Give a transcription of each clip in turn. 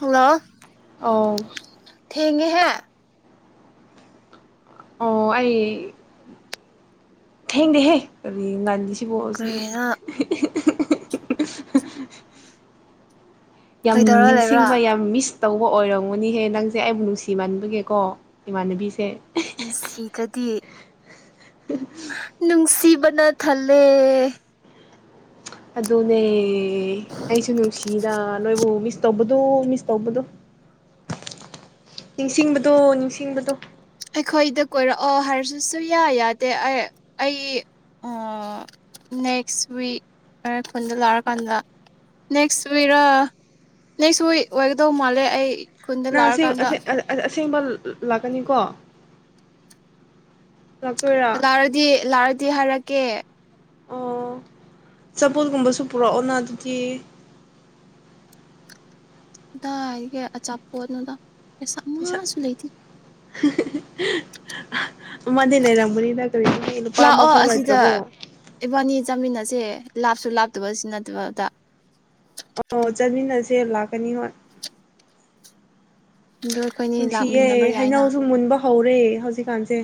hello ꯑꯧ ꯊꯦꯡꯉꯦꯍꯦ ꯑꯣ ꯑꯩ ꯊꯦꯡꯗꯦꯍꯦ [unintelligible] [unintelligible] [unintelligible] ꯀꯔꯤꯅꯣ [unintelligible] ꯌꯥꯝ ꯀꯩꯗꯧꯔ ꯂꯩꯕ꯭ꯔꯥ ꯅꯤꯡꯁꯤꯡꯕ ꯌꯥꯝ ꯃꯤꯁ ꯇꯧꯕ ꯑꯣꯏꯔꯝꯒꯅꯤꯍꯦ ꯅꯪꯁꯦ ꯑꯩꯕꯨ ꯅꯨꯡꯁꯤꯃꯟꯕꯒꯤꯀꯣ ꯏꯃꯥꯟꯅꯕꯤꯁꯦ ꯅꯨꯡꯁꯤꯗꯗꯤ ꯅꯨꯡꯁꯤꯕꯅ ꯊꯜꯂꯦ ꯑꯗꯨꯅꯦ ꯑꯩꯁꯨ ꯅꯨꯡꯁꯤꯅ ꯅꯣꯏꯕꯨ ꯃꯤꯁ ꯇꯧꯕꯗꯣ ꯃꯤꯁ ꯇꯧꯕꯗꯣ ꯅꯤꯡꯁꯤꯡꯕꯗꯣ ꯅꯤꯡꯁꯤꯡꯕꯗꯣ ꯑꯩꯈꯣꯏꯗ ꯀꯣꯏꯔꯛꯑꯣ ꯍꯥꯏꯔꯁꯤꯁꯨ ꯁꯨꯛꯌꯥ ꯌꯥꯗꯦ ꯑꯩ ꯑꯩ ꯅꯦꯛꯁ ꯋꯤꯛ ꯉꯔ ꯈꯨꯟꯗ ꯂꯥꯛꯔꯀꯥꯟꯗ ꯅꯦꯛꯁ ꯋꯤꯛꯔ ꯅꯦꯛꯁ ꯋꯤꯛ ꯑꯣꯏꯒꯗꯧ ꯃꯥꯜꯂꯦ ꯑꯩ ꯈꯨꯟꯗ ꯂꯥꯛꯔꯀꯥꯟꯗ [unintelligible] [unintelligible] ꯑꯁꯦꯡꯕ ꯂꯥꯛꯀꯅꯤꯀꯣ ꯂꯥꯛꯇꯣꯏꯔꯥ ꯂꯥꯔꯗꯤ ꯂꯥꯔꯗꯤ ꯍꯥꯏꯔꯛ ꯀꯦ ꯑꯣ ꯆꯄꯣꯜꯒꯨꯝꯕꯁꯨ ꯄꯨꯔꯛꯑꯣꯅ ꯑꯗꯨꯗꯤ ꯑꯗꯥꯏꯗꯒꯤ ꯑꯆꯥꯄꯣꯠꯅꯣꯗ ꯄꯩꯁꯥ ꯑꯃꯁꯨ ꯂꯩꯇꯦ [unintelligible] ꯃꯥꯗꯤ ꯂꯩꯔꯝꯕꯅꯤꯅ ꯀꯔꯤ ꯂꯨꯄꯥ ꯑꯃ ꯂꯥꯛꯑꯣ ꯐꯥꯎ ꯑꯁꯤꯗ ꯂꯩꯇ꯭ꯔꯕꯣ ꯏꯕꯥꯅꯤ ꯆꯥꯃꯤꯟꯅꯁꯦ ꯂꯥꯞꯁꯨ ꯂꯥꯞꯇꯕ [unintelligible] ꯑꯣ ꯆꯠꯃꯤꯟꯅꯁꯦ ꯂꯥꯛꯀꯅꯤ ꯍꯣꯏ ꯑꯗꯨ ꯑꯩꯈꯣꯏꯅꯤ ꯅꯨꯡꯁꯤꯌꯦ ꯂꯥꯛꯃꯤꯟꯅꯕ ꯌꯥꯏꯅ ꯍꯩꯅꯧꯁꯨ ꯃꯨꯟꯕ ꯍꯧꯔꯦ ꯍꯧꯖꯤꯛꯀꯥꯟꯁꯦ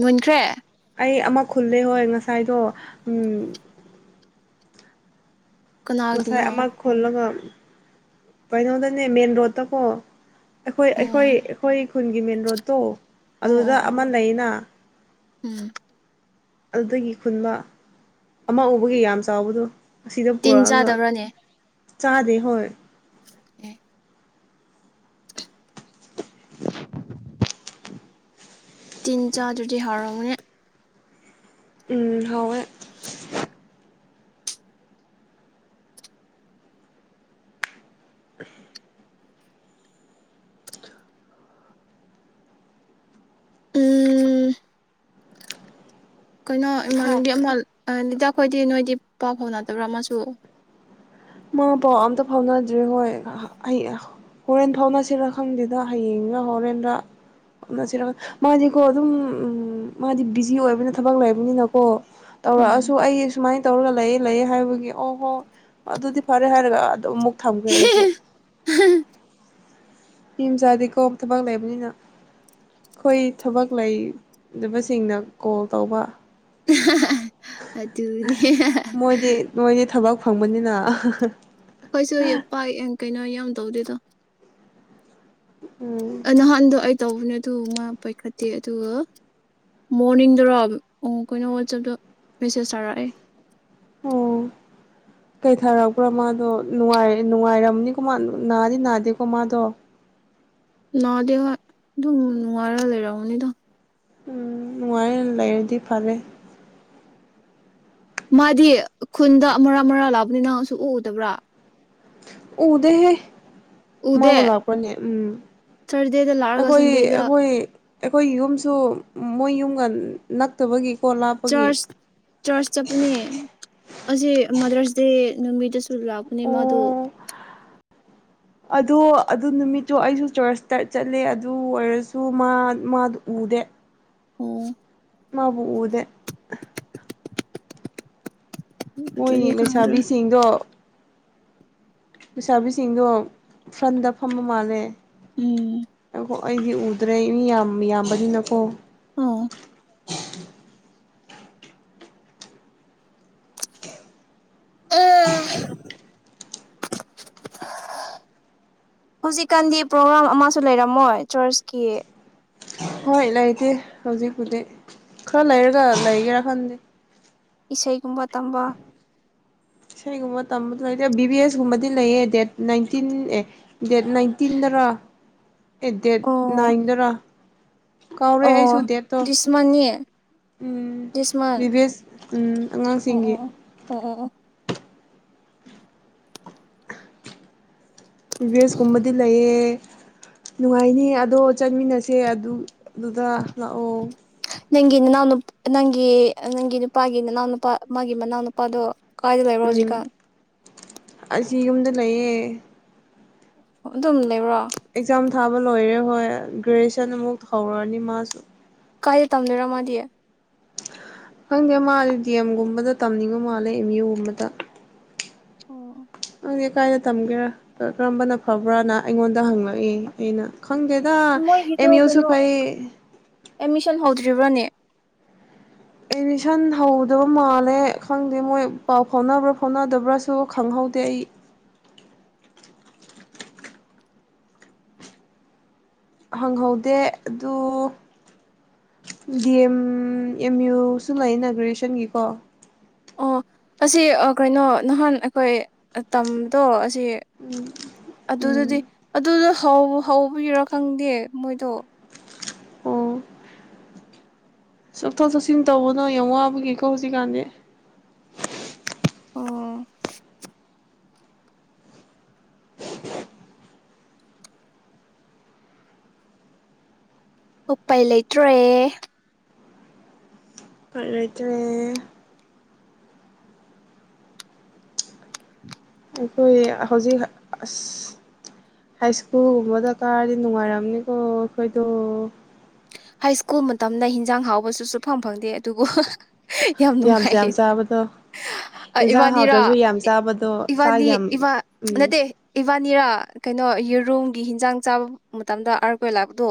ꯃꯨꯟꯈ꯭ꯔꯦ ꯑꯩ ꯑꯃ ꯈꯨꯜꯂꯦ ꯍꯣꯏ ꯉꯁꯥꯏꯗꯣ ꯎ ꯉꯁꯥꯏ ꯀꯅꯥꯒꯤꯅꯣ ꯑꯃ ꯈꯣꯜꯂꯒ ꯀꯩꯅꯅꯧꯗꯅꯦ ꯃꯦꯟꯦꯟ ꯔꯣꯗꯇ ꯀꯣ ꯑꯩꯈꯣꯏ ꯑꯣ ꯑꯩꯈꯣꯏ ꯑꯩꯈꯣꯏ ꯈꯨꯟꯒꯤ ꯃꯦꯟ ꯔꯣꯗꯠꯇꯣ ꯑꯣ ꯑꯣ ꯑꯗꯨꯗ ꯑꯣ ꯑꯃ ꯂꯩꯅ ꯎꯝ ꯑꯗꯨꯗꯒꯤ ꯈꯨꯟꯕ ꯑꯃ ꯎꯕꯒꯤ ꯌꯥꯝ ꯆꯥꯎꯕꯗꯣ ꯑꯁꯤꯗ ꯇꯤꯟ ꯄꯨꯔꯛꯑꯒ ꯆꯥꯗꯕ꯭ꯔꯥꯅꯦ ꯆꯥꯗꯦ ꯍꯣꯏ ꯑꯦ [inaudible] ꯇꯤꯟ ꯆꯥ ꯆꯇꯤ ꯍꯔꯥꯎꯅꯤ ꯎꯝ ꯍꯋꯦ [inaudible] ꯎꯝ ꯀꯩꯅꯣ ꯏꯃꯥꯟꯕꯤ ꯑꯃ ꯂꯤꯇꯈꯣꯏꯗꯤ ꯅꯣꯏꯗꯤ ꯄꯥꯎ ꯐꯥꯎꯅꯗꯕ꯭ꯔꯥ ꯑꯃꯁꯨ ꯃꯥ ꯄꯥꯎ ꯑꯝꯇ ꯐꯥꯎꯅꯗ꯭ꯔꯦ ꯍꯣꯏ ꯍꯣꯔꯦꯟ ꯐꯥꯎꯅꯁꯤꯔ ꯈꯪꯗꯦꯗ ꯍꯌꯦꯡꯒ ꯍꯣꯔꯦꯟꯗ ꯐꯥꯎꯅꯁꯤꯔꯦ ꯃꯥꯗꯤꯀꯣ ꯑꯗꯨꯝ ꯃꯥꯗꯤ ꯕꯤꯖꯤ ꯑꯣꯏꯕꯅ ꯊꯕꯛ ꯂꯩꯕꯅꯤꯅꯀꯣ ꯎꯝ ꯇꯧꯔꯛꯑꯁꯨ ꯑꯩ ꯁꯨꯃꯥꯏꯅ ꯇꯧꯔꯒ ꯂꯩꯌꯦ ꯂꯩꯌꯦ ꯍꯥꯏꯕꯒꯤ ꯑꯣ ꯍꯣ ꯑꯗꯨꯗꯤ ꯐꯔꯦ ꯍꯥꯏꯔꯒ ꯑꯗꯨꯨ ꯊꯝꯈ꯭ꯔꯦ ꯑꯩꯁꯨ ꯃꯤ ꯃꯆꯥꯗꯤꯀꯣ ꯊꯕꯛ ꯂꯩꯕꯅꯤꯅ ꯑꯩꯈꯣꯏ ꯊꯕꯛ ꯂꯩꯗꯕꯁꯤꯡꯅ ꯀꯣꯜ ꯇꯧꯕ ꯍ ꯍ ꯃꯣꯏꯗꯤ ꯃꯣꯏꯗꯤ ꯊꯕ ꯐꯪꯕꯅꯤꯅ ꯍꯣꯏꯁꯨ ꯄꯥꯏ ꯀꯩꯅꯣ ꯌꯥꯝ ꯇꯧꯗꯦꯗꯣ ꯎꯝ ꯅꯍ ꯑꯗꯨ ꯇꯧꯕꯅꯦ ꯑꯗꯨ ꯃꯥ ꯄꯥꯏꯈꯠꯇꯦ ꯑꯗꯨꯒ ꯃꯣꯔꯅꯤꯡꯗꯔꯣ ꯑꯩꯣꯏꯅ ꯋꯥꯆꯞꯇ ꯃꯦꯁꯦꯁ ꯊꯥꯔꯛꯑꯦ ꯑꯣ ꯀꯩꯊꯥꯔꯛꯄ꯭ꯔꯥ ꯃꯥꯗꯣ ꯅꯨꯡꯉꯥꯏꯔꯝꯅꯤꯀꯣ ꯃꯥ ꯅꯥꯗꯤ ꯅꯥꯗꯦꯀꯣ ꯃꯥꯗꯣ ꯅꯗ ꯑꯗꯨꯝ ꯅꯨꯡꯉꯔ ꯂꯩꯔ ꯎꯅꯤꯗ ꯎꯝ ꯅꯥꯏ ꯂꯩꯥꯏꯔꯗꯤ ꯐꯔꯦ ꯃꯥꯗꯤ ꯈꯨꯟꯗ ꯃꯔꯥ ꯃꯔꯥ ꯂꯥꯛꯕꯅꯤ ꯅꯪꯁꯨ ꯎꯗꯕ꯭ꯔꯥ ꯎꯗ ꯍꯦ ꯎꯗꯦ ꯃꯥꯕꯨ ꯂꯥꯛꯄ꯭ꯔꯅꯦ ꯎꯝ ꯊꯔꯁꯗꯦꯗ ꯂꯥꯛꯑꯒ ꯑꯩꯈꯣꯏ ꯁꯟꯗꯦꯗ ꯑꯩꯈꯣꯏ ꯑꯩꯈꯣꯏ ꯌꯨꯝꯁꯨ ꯃꯣꯏ ꯌꯨꯝ ꯀꯥꯟꯗ ꯅꯠꯇꯕꯒꯤ ꯆꯆ ꯆꯔꯆ ꯆꯠꯄꯅꯦ ꯑꯁꯤ ꯃꯗ꯭ꯔꯁ ꯗꯦ ꯅꯨꯃꯤꯠꯇ ꯂꯥꯛꯄꯅꯤ ꯃꯗꯨ ꯑꯗꯨ ꯑꯗꯨ ꯅꯨꯃꯤꯠꯇꯣ ꯑꯩꯁꯨ ꯆꯔꯁꯇ ꯆꯠꯂꯦ ꯑꯗꯨ ꯑꯣꯏꯔꯁꯨ ꯃꯥ ꯃꯥꯗꯨ ꯎꯗꯦ ꯑꯣ ꯃꯥꯕꯨ ꯎꯗꯦ ꯃꯣꯏ ꯑꯗꯨꯗꯤ ꯈꯪꯗ꯭ꯔꯦ ꯂꯩꯁꯥꯕꯤꯁꯤꯡꯗꯣ ꯂꯩꯁꯥꯕꯤꯁꯤꯡꯗꯣ ꯐ꯭ꯔꯟꯗ ꯐꯝꯕ ꯃꯥꯜꯂꯦ ꯎꯝ ꯑꯣ ꯑꯩꯗꯤ ꯎꯗ꯭ꯔꯦ ꯃꯤ ꯌꯥꯝ ꯌꯥꯝꯕꯅꯤꯅꯀꯣ ꯑꯣ ꯍꯧꯖꯤꯛꯀꯥꯟꯗꯤ ꯄ꯭ꯔꯣꯒ꯭ꯔꯥꯝ ꯑꯃꯁꯨ ꯂꯩꯔꯝꯃꯣꯏ ꯆ꯭ꯔꯆꯀꯤ ꯍꯣꯏ ꯂꯩꯇꯦ ꯍꯧꯖꯤꯛꯄꯨꯗꯤ ꯈꯔ ꯂꯩꯔꯒ ꯂꯩꯒꯦꯔꯥ ꯈꯟꯗꯦ ꯏꯁꯩꯒꯨꯝꯕ ꯇꯝꯕ ꯏꯁꯩꯒꯨꯝꯕ ꯇꯝꯕ ꯂꯩ ꯕꯤ ꯕꯤ ꯑꯦꯁ ꯀꯨꯝꯕꯗꯤ ꯂꯩꯌꯦ ꯗꯦꯠ ꯅꯥꯏꯟꯇꯤꯟ ꯑꯦ ꯗꯦꯠ ꯅꯥꯏꯟꯇꯤꯟꯗꯔ ꯑꯦ ꯗꯦꯠ ꯑꯣ ꯅꯥꯏꯟꯗꯔꯥ ꯀꯥꯎꯔꯦ ꯑꯩꯁꯨ ꯑꯣ ꯗꯦꯠꯇꯣ ꯗꯤꯁ ꯃꯟꯅꯤ ꯗꯤꯁ ꯃꯟ ꯕꯤꯚꯦꯁ ꯑꯣ ꯑꯣ ꯑꯉꯥꯡꯁꯤꯡꯒꯤ ꯑꯣ ꯑꯣ ꯑꯣ ꯚꯤꯚꯦꯁ ꯀꯨꯝꯕꯗꯤ ꯂꯩꯌꯦ ꯅꯨꯡꯉꯥꯏꯅꯤ ꯑꯗꯣ ꯆꯠꯃꯤꯟꯅꯁꯦ ꯑꯗꯨꯗꯨꯗ ꯂꯥꯛꯑꯣ ꯅꯪꯒꯤ ꯅꯅꯥꯎꯅ ꯅꯪꯒꯤ ꯅꯪꯒꯤ ꯅꯨꯄꯥꯒꯤ ꯅꯅꯥꯎ ꯅꯨꯄꯥ ꯃꯥꯒꯤ ꯃꯅꯥꯎ ꯅꯨꯄꯥꯗꯣ ꯀꯥꯏꯗ ꯂꯩꯕ꯭ꯔꯣꯖꯤ ꯎꯝ ꯀꯥꯟ ꯑꯁꯤ ꯌꯨꯝꯗ ꯂꯩꯌꯦ ꯑꯗꯨꯝ ꯂꯩꯕ꯭ꯔꯣ ꯑꯦꯛꯖꯥꯝ ꯊꯥꯕ ꯂꯣꯏꯔꯦ ꯍꯣꯏ ꯒ꯭ꯔꯦꯖꯨꯦꯁꯟ ꯑꯃꯨꯛ ꯍꯧꯔꯅꯤ ꯃꯥꯁꯨ ꯀꯥꯏ ꯇꯝꯗꯔ ꯑꯃꯗꯤꯌꯦ ꯈꯪꯗꯦ ꯃꯥꯗꯤ ꯗꯤ ꯑꯦꯝꯒꯨꯝꯕꯗ ꯇꯝꯅꯤꯡꯕꯨ ꯃꯥꯜꯂꯦ ꯑꯦꯝ ꯌꯨꯒꯨꯝꯕꯗ ꯑꯣ ꯈꯪꯗꯦ ꯀꯥꯏꯗ ꯇꯝꯒꯦꯔꯥ ꯀꯔꯝꯕꯅ ꯐꯕ꯭ꯔꯥꯅ ꯑꯩꯉꯣꯟꯗ ꯍꯪꯂꯛꯏ ꯑꯩꯅ ꯈꯪꯒꯦꯗ ꯃꯣꯏꯒꯤꯗꯣ ꯑꯦꯝ ꯌꯨꯁꯨ ꯀꯩꯅꯣ ꯐꯩ ꯖꯤꯕꯅꯤ ꯑꯦꯠꯃꯤꯁꯟ ꯍꯧꯗꯕ ꯃꯥꯜꯂꯦ ꯈꯪꯗꯦ ꯃꯣꯏ ꯄꯥꯎ ꯐꯥꯎꯅꯕ꯭ꯔꯥ ꯐꯥꯎꯅꯗꯕ꯭ꯔꯥꯁꯨ ꯈꯪꯍꯧꯗꯦ ꯑꯩ ꯍꯪꯍꯧꯗꯦ ꯑꯗꯨ ꯗꯤ ꯑꯦꯝ ꯑꯦꯝ ꯌꯨꯁꯨ ꯂꯩꯅ ꯒ꯭ꯔꯦꯖꯨꯦꯁꯟꯒꯤꯀꯣ ꯑꯣ ꯑꯁꯤ ꯀꯩꯅꯣ ꯅꯍꯥꯟ ꯑꯩꯈꯣꯏ ꯇꯝꯗꯣ ꯑꯗꯨꯗꯨꯗꯤ ꯎꯝ ꯑꯗꯨꯗ ꯍ ꯍꯧꯕꯔꯣ ꯈꯪꯗꯦ ꯃꯣꯏꯗꯣ ꯑꯣ ꯆꯠꯊꯣꯛ ꯆꯠꯁꯤꯟ ꯇꯧꯕꯅꯣ ꯌꯥꯝ ꯋꯥꯕꯒꯤꯀꯣ ꯍꯧꯖꯤꯛꯀꯥꯟꯗꯤ ꯑꯣ ꯎꯄꯥꯏ ꯂꯩꯇ꯭ꯔꯦ ꯐꯣꯏꯠꯇ꯭ꯔꯦ ꯑꯩꯈꯣꯏ ꯍꯧꯖꯤꯛ ꯑꯁ ꯍꯥꯏ ꯁ꯭ꯀꯨꯜꯒꯨꯝꯕ ꯗꯔꯀꯥꯔꯗꯤ ꯅꯨꯡꯉꯥꯏꯔꯝꯅꯤꯀꯣ ꯑꯩꯈꯣꯏꯗꯣ ꯍꯥꯏ ꯁ꯭ꯀꯨꯜ ꯃꯇꯝꯗ ꯍꯟꯖꯥꯡ ꯍꯥꯎꯕꯁꯨꯁꯨ ꯐꯝ ꯐꯪꯗꯦ ꯑꯗꯨꯕꯨ ꯌꯥꯝ ꯌꯥꯝꯁꯨ ꯅꯨꯡꯉꯥꯏꯌꯦ ꯌꯥꯝ ꯆꯥꯕꯗꯣ ꯌꯦꯟꯁꯥꯡ ꯏꯕꯥꯅꯤꯔꯥ ꯍꯥꯎꯗ꯭ꯔꯁꯨ ꯌꯥꯝ ꯆꯥꯕꯗꯣ ꯆꯥꯛ ꯏꯕꯥꯅꯤ ꯌꯥꯝ ꯎꯝ ꯅꯠꯇꯦ ꯏꯕꯥꯅꯤꯔꯥ ꯀꯩꯅꯣ ꯌꯦꯔꯨꯝꯒꯤ ꯍꯤꯟꯖꯥꯡ ꯆꯥꯕ ꯃꯇꯝꯗ ꯑꯥꯔ ꯀꯣꯏ ꯂꯥꯛꯄꯗꯣ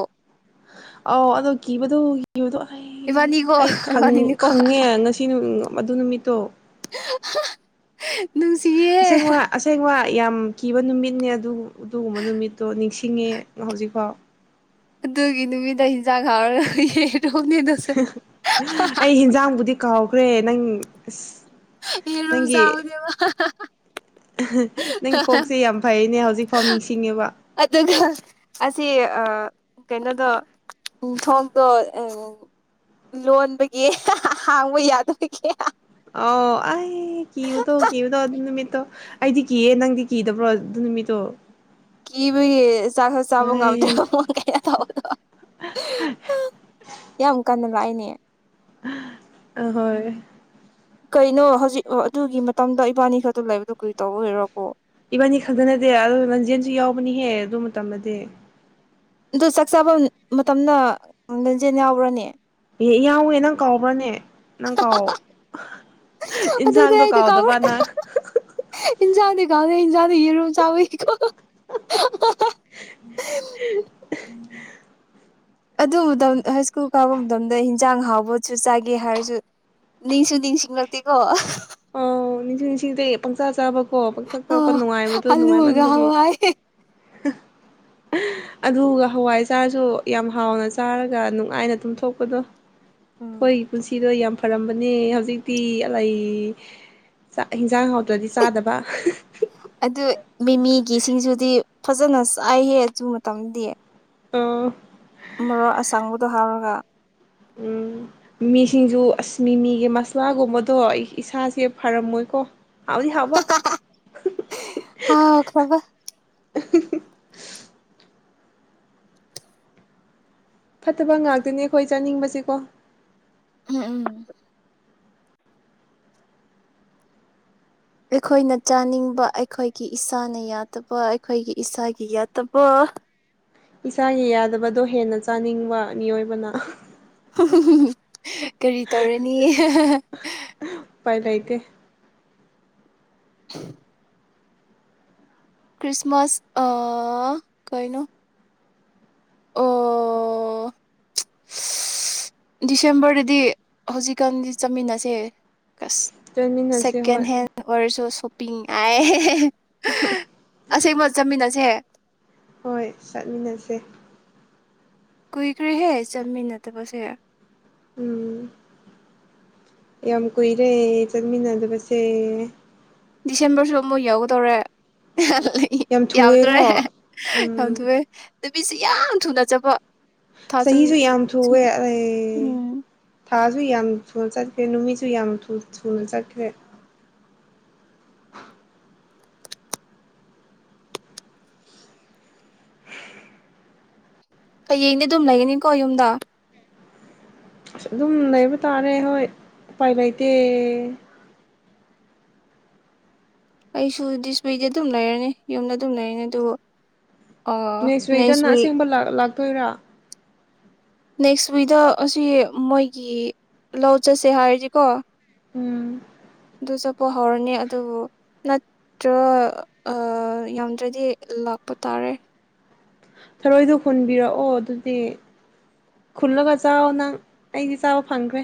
ꯑ ꯑꯗꯣ ꯀꯕꯗꯨꯣ ꯨꯗꯣ ꯑꯩ ꯏꯕꯥꯅꯤꯀꯣ ꯑꯩ ꯏꯕꯥꯅꯤꯅꯤꯀꯣ ꯈꯪꯉꯦ ꯉꯁꯤ ꯅꯨꯃꯤ ꯑꯗꯨ ꯅꯨꯃꯤꯠꯇꯣ ꯅꯨꯡꯁꯤꯌꯦ ꯑꯁꯦꯡ ꯋꯥ ꯑꯁꯦꯡ ꯋꯥ ꯌꯥꯝ ꯀꯤꯕ ꯅꯨꯃꯤꯠꯅꯦ ꯑꯗꯨ ꯑꯗꯨꯒꯨꯝꯕ ꯅꯨꯃꯤꯠꯇꯣ ꯅꯤꯡꯁꯤꯡꯉꯦ ꯍꯧꯖꯤꯛꯐꯥꯎ ꯍꯤꯡꯆꯥ ꯈꯔ ꯑꯩ ꯍꯟꯖꯥꯡꯕꯨꯗꯤ ꯀꯥꯎꯈ꯭ꯔꯦ ꯅꯪ ꯑ ꯍꯔꯣꯖꯎꯗꯕ ꯅꯪ ꯀꯣꯛꯁꯦ ꯌꯥꯝ ꯐꯩꯅꯦ ꯍꯧꯖꯤꯛ ꯑꯗꯨꯒ ꯑꯁꯤ ꯀꯩꯅꯣꯗꯣ ꯌꯊꯣꯡꯗꯣ ꯂꯣꯟꯕꯒꯤ ꯍꯥꯡꯕ ꯌꯥꯗꯕꯒꯤ ꯑꯧ ꯑꯩ ꯀꯤꯕꯗꯣ ꯀꯤꯕꯗꯣ ꯑꯗꯨ ꯅꯨꯃꯤꯠꯇꯣ ꯑꯩꯗꯤ ꯀꯤꯌꯦ ꯅꯪꯗꯤ ꯀꯤꯗꯕ꯭ꯔꯣ ꯑꯗꯨ ꯅꯨꯃꯤꯠꯇꯣ ꯀꯤꯕꯒꯤ ꯆꯥꯛꯈ ꯆꯥꯕ ꯉꯝꯗ꯭ꯔꯦ ꯑꯩ ꯃꯡ ꯀꯌꯥ ꯇꯧꯕꯗꯣ ꯌꯥꯝ ꯀꯟꯅ ꯄꯥꯏꯅꯦ ꯍꯣꯏ ꯀꯩꯅꯣ ꯍꯧꯖꯤꯛ ꯑꯗꯨꯒꯤ ꯃꯇꯝꯗ ꯏꯕꯥꯅꯤ ꯈꯔꯗ ꯂꯩꯕꯗꯣ ꯀꯔꯤ ꯇꯧꯕ ꯑꯣꯏꯔꯣꯀꯣ ꯏꯕꯥꯅꯤ ꯈꯛꯇ ꯅꯠꯇꯦ ꯑꯗ ꯂꯟꯖꯦꯟꯁꯨ ꯌꯥꯎꯕꯅꯤꯍꯦ ꯑꯗꯨ ꯃꯇꯝꯗꯗꯤ ꯑꯗꯨ ꯆꯥꯛ ꯆꯥꯕ ꯃꯇꯝꯅ ꯂꯦꯟꯖꯦꯟ ꯌꯥꯎꯕ꯭ꯔꯅꯦ ꯑꯦ ꯌꯥꯎꯋꯦ ꯅꯪ ꯀꯥꯎꯕ꯭ꯔꯅꯦ ꯅꯪ ꯀꯥꯎ ꯑꯗꯨꯅꯦ ꯏꯟꯁꯥꯡꯗꯣ ꯑꯩꯗꯤ ꯀꯥꯎꯔꯦ ꯀꯥꯎꯗꯕ ꯅꯪ ꯀꯖ ꯌꯦꯔꯨꯝ ꯆꯥꯕꯏꯀꯣ ꯎ ꯑꯗꯨ ꯃꯇꯝ ꯍꯥꯏ ꯁ꯭ꯀꯨꯜ ꯀꯥꯕ ꯃꯇꯝꯗ ꯍꯟꯖꯥꯡ ꯍꯥꯎꯕꯣꯠꯁꯨ ꯆꯥꯒꯦ ꯍꯥꯏꯔꯁꯨ ꯅꯤꯡꯁꯨ ꯅꯤꯡꯁꯤꯡꯂꯛꯇꯦꯀꯣ ꯑꯣ ꯅꯤꯡꯁꯤꯡ ꯅꯤꯡꯅꯤꯁꯤꯡꯤꯡ ꯏꯗꯦ ꯄꯪꯆꯥꯥ ꯆꯥꯕ ꯍꯣ ꯄꯪꯇꯛ ꯇꯛꯄ ꯅꯨꯡꯉꯥꯏꯕꯗꯨ ꯑꯂꯨꯒ ꯅꯨꯡꯉꯥꯏꯃꯟꯕꯒꯤ ꯍꯋꯥꯏ ꯑꯗꯨꯒ ꯍꯋꯥꯏ ꯆꯥꯔꯁꯨ ꯌꯥꯝ ꯍꯥꯎꯅ ꯆꯥꯔꯒ ꯅꯨꯡꯉꯥꯏꯅ ꯇꯨꯝꯊꯣꯛꯄꯗꯣ ꯍꯣꯏꯒꯤ ꯄꯨꯟꯁꯤꯗ ꯌꯥꯝ ꯐꯔꯝꯕꯅꯦ ꯍꯧꯖꯤꯛꯇꯤ ꯆꯥꯛ ꯍꯤꯟꯖꯥꯡ ꯍꯥꯎꯇ꯭ꯔꯗꯤ ꯆꯥꯗꯕ ꯑꯗꯨ ꯃꯤꯃꯤꯒꯤꯁꯤꯡꯁꯨꯗꯤ ꯐꯖꯅ ꯆꯥꯏꯍꯦ ꯑꯗꯨꯨ ꯃꯇꯝꯗꯤ ꯑ ꯃꯔꯣ ꯑꯁꯪꯕꯗꯣ ꯍꯥꯎꯔꯒ ꯎꯝ ꯃꯤꯁꯤꯡꯁꯨ ꯑꯁꯃꯤꯃꯤꯒꯤ ꯃꯁꯂꯥꯒꯨꯝꯕꯗꯣ ꯏꯁꯥꯁꯦ ꯐꯔꯝꯃꯣꯏꯀꯣ ꯍꯧꯗꯤ ꯍꯕ ꯍꯥꯎꯈ꯭ꯔꯕ ꯐꯠꯇꯕ ꯉꯥꯛꯇꯅꯦ ꯑꯩꯈꯣꯏ ꯆꯥꯅꯤꯡꯕꯁꯦꯀꯣ ꯎꯝ ꯎꯝ ꯑꯩꯈꯣꯏꯅ ꯆꯥꯅꯤꯡꯕ ꯑꯩꯈꯣꯏꯒꯤ ꯏꯁꯥꯅ ꯌꯥꯗꯕ ꯑꯩꯈꯣꯏꯒꯤ ꯏꯁꯥꯒꯤ ꯌꯥꯗꯕ ꯏꯁꯥꯒꯤ ꯌꯥꯗꯕꯗꯣ ꯍꯦꯟꯅ ꯆꯥꯅꯤꯡꯕ ꯃꯤꯑꯣꯏꯕꯅ [inaudible] ꯀꯔꯤ ꯇꯧꯔꯅꯤ ꯄꯥꯏ ꯂꯩꯇꯦ ꯍ ꯀ꯭ꯔꯤꯁꯃꯁ ꯑ ꯀꯣꯏꯅꯣ ꯑꯣ ꯗꯤꯁꯦꯝꯕꯔꯗꯗꯤ ꯍꯧꯖꯤꯛꯀꯥꯟꯗꯤ ꯆꯠꯃꯤꯟꯅꯁꯦ ꯆꯠꯃꯤꯟꯅꯁꯦ ꯁꯦꯀ ꯍꯣꯏ ꯍꯦꯟ ꯋꯥꯔꯁꯨꯁ ꯁꯣꯄꯤꯡ ꯑ ꯑꯁꯦꯡꯕ ꯆꯠꯃꯤꯟꯅ ꯑꯁꯦ ꯍꯣꯏ ꯆꯠꯃꯤꯟꯅꯁꯦ ꯀꯨꯏꯈ꯭ꯔꯦꯍꯦ ꯆꯠꯃꯤꯟꯅꯠꯇꯕꯁꯦ ꯎꯝ ꯌꯥꯝ ꯀꯨꯏꯔꯦ ꯆꯠꯃꯤꯟꯅꯗꯕꯁꯦ ꯗꯤꯁꯦꯝꯕꯔꯁꯨ ꯑꯃꯨꯛ ꯌꯥꯎꯒꯗꯧꯔꯦ ꯌꯥꯝ ꯊꯨꯑꯦꯀꯣ ꯌꯥꯗꯣꯔꯦ ꯎꯝ ꯌꯥꯝꯊꯣꯛꯑꯦ ꯅꯨꯄꯤꯁꯤ ꯌꯥꯝ ꯊꯨꯅ ꯆꯕ ꯆꯍꯤꯁꯨ ꯌꯥꯝ ꯊꯣꯛꯑꯦ ꯑꯩ ꯎꯝ ꯊꯥꯁꯨ ꯌꯥꯝ ꯊꯨꯅ ꯆꯠꯈ꯭ꯔꯦ ꯅꯨꯃꯤꯠꯁꯨ ꯌꯥꯝ ꯊꯨꯅ ꯆꯠꯈ꯭ꯔꯦ ꯍꯌꯦꯡꯗꯤ ꯑꯗꯨꯝ ꯂꯩꯒꯅꯤꯀꯣ ꯌꯨꯝꯗ ꯑꯁ ꯑꯗꯨꯝ ꯂꯩꯕ ꯇꯥꯔꯦ ꯍꯣꯏ ꯎꯄꯥꯏ ꯂꯩꯇꯦ ꯑꯩꯁꯨ ꯗꯤꯁꯄ꯭ꯂꯦꯗꯤ ꯑꯗꯨꯝ ꯂꯩꯔꯅꯤ ꯌꯨꯝꯗ ꯑꯗꯨꯝ ꯂꯩꯔꯅꯤ ꯑꯗꯨꯕꯨ ꯅꯁꯨꯋꯗ ꯅ ꯁꯦꯝꯦꯡꯕ ꯂꯥꯛ ꯇꯣꯏꯔꯥ ꯅꯦꯛꯁ ꯋꯤꯛꯗ ꯑꯁꯤ ꯃꯣꯏꯒꯤ ꯂꯧ ꯆꯠꯁꯦ ꯍꯥꯏꯔꯗꯤꯀꯣ ꯎꯝ ꯑꯗꯨ ꯆꯠꯄ ꯍꯧꯔꯅꯤ ꯑꯗꯨꯕꯨ ꯅꯠꯇ꯭ꯔ ꯌꯥꯝꯗ꯭ꯔꯗꯤ ꯂꯥꯛꯄ ꯇꯥꯔꯦ ꯊꯔꯣꯏꯗꯣ ꯍꯨꯟꯕꯤꯔꯛꯑꯣ ꯑꯗꯨꯗꯤ ꯈꯨꯨꯜꯂꯒ ꯆꯥꯛꯑꯣ ꯅꯪ ꯑꯩꯗꯤ ꯆꯥꯕ ꯐꯪꯈ꯭ꯔꯦ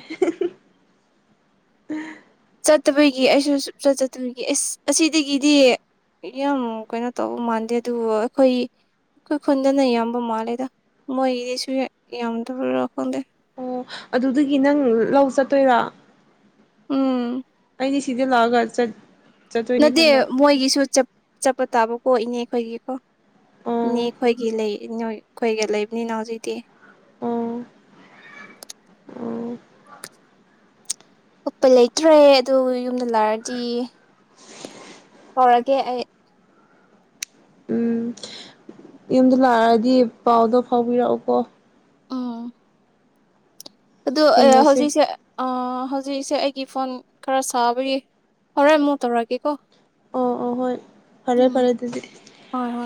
ꯆꯠꯇꯕꯤꯒꯤ ꯑꯩꯁꯨ ꯁꯆꯠ ꯆꯠꯇꯕꯤꯒꯤ ꯑꯁ ꯑꯁꯤꯗꯒꯤꯗꯤ ꯌꯥꯝ ꯀꯩꯅꯣ ꯇꯧꯕ ꯃꯥꯟꯗꯦ ꯑꯗꯨꯕꯨ ꯑꯩꯈꯣꯏ ꯑꯩꯈꯣꯏ ꯈꯨꯟꯗꯅ ꯌꯥꯝꯕ ꯃꯥꯜꯂꯦꯗ ꯃꯣꯏꯒꯤꯗꯤꯁꯨ ꯌꯥꯝꯗꯕꯥ ꯈꯪꯗꯦ ꯑꯣ ꯑꯗꯨꯒꯤ ꯅꯪ ꯂꯧ ꯆꯠꯇꯣꯏꯔ ꯎꯝ ꯁꯤꯗ ꯂꯥꯛꯒ ꯆꯠ ꯆꯠꯇꯣꯏꯅꯦ ꯅꯠꯇꯦ ꯈꯟꯕ ꯃꯣꯏꯒꯤꯁꯨ ꯆꯞꯄ ꯇꯥꯕ ꯀꯣ ꯏꯅꯦ ꯈꯣꯏꯒꯤꯀꯣ ꯑꯣ ꯑꯩꯈꯣꯏꯒꯤ ꯂꯩ ꯅꯣꯏ ꯑꯩꯈꯣꯏꯒ ꯂꯩꯕꯅꯤꯅ ꯍꯧꯖꯤꯛꯇꯤ ꯑꯣ ꯑ ꯎꯞꯄ ꯂꯩꯇ꯭ꯔꯦ ꯑꯗꯨ ꯌꯨꯝꯗ ꯂꯥꯛꯑꯗꯤ ꯍꯧꯧꯔꯒꯦ ꯑꯩ ꯎꯝ ꯌꯨꯝꯗ ꯂꯥꯛꯑꯗꯤ ꯄꯥꯎꯗꯣ ꯐꯥꯎꯕꯤꯔꯛꯎꯀꯣ ꯑꯗ ꯊꯦꯡꯅꯁꯦ ꯍꯧꯖꯤꯛꯁꯦ ꯍꯧꯖꯤꯛꯁꯦ ꯑꯩꯒꯤ ꯐꯣꯟ ꯈꯔ ꯁꯥꯕꯒꯤ ꯍꯣꯔꯦꯟ ꯑꯃꯨꯛ ꯇꯧꯔꯒꯦꯀꯣ ꯑꯣ ꯑꯣ ꯍꯣꯏ ꯐꯔꯦ ꯐꯔꯦ ꯑꯗꯨꯗꯤ ꯍꯣꯏ ꯍꯣꯏ